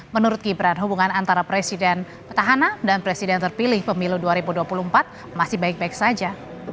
menurut gibran hubungan antara presiden petahana dan presiden terpilih pemilu dua ribu dua puluh empat masih baik baik saja